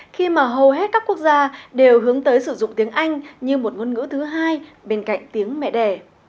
khi mà hầu hết các quốc gia đều hướng tới sử dụng tiếng anh như một ngôn ngữ thứ hai bên cạnh tiếng mẹ đẻ